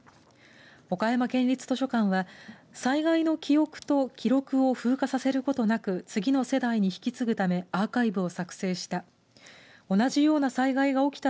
岡山県立図書館は災害の記憶と記録を風化させることなく次の世代に引き継ぐためアーカイブを作成した。